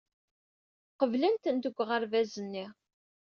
Qeblen-tent deg uɣerbaz-nni.